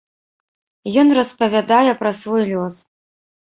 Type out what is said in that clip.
Ён распавядае, пра свой лёс.